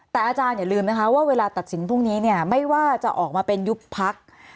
แต่อาจารย์อย่าลืมนะคะว่าเวลาตัดสินพรุ่งนี้เนี่ยไม่ว่าจะออกมาเป็นยุบพัก